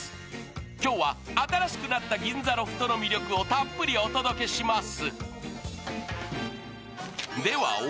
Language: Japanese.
今日は新しくなった銀座ロフトの魅力をたっぷりお届けします。